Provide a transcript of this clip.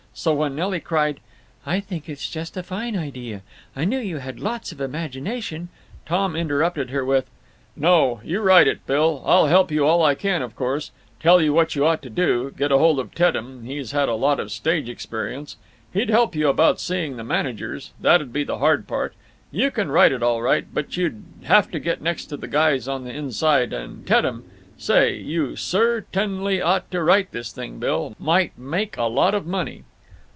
So when Nelly cried, "I think it's just a fine idea; I knew you had lots of imagination," Tom interrupted her with: "No; you write it, Bill. I'll help you all I can, of course…. Tell you what you ought to do: get hold of Teddem—he's had a lot of stage experience; he'd help you about seeing the managers. That 'd be the hard part—you can write it, all right, but you'd have to get next to the guys on the inside, and Teddem—Say, you cer_tain_ly ought to write this thing, Bill. Might make a lot of money."